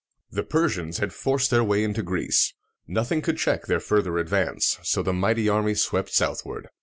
The Persians had forced their way into Greece. Nothing could check their further advance, so the mighty army swept southward.